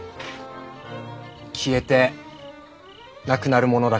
消えてなくなるものだから。